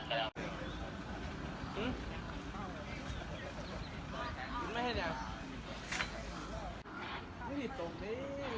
กลับมาเมื่อเวลาเมื่อเวลา